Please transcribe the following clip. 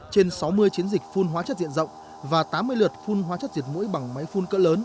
trên sáu mươi chiến dịch phun hóa chất diện rộng và tám mươi lượt phun hóa chất diệt mũi bằng máy phun cỡ lớn